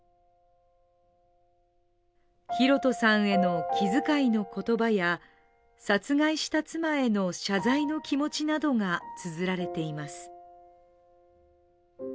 寛人さんへの気遣いの言葉や殺害した妻への謝罪の気持ちなどがつづられています。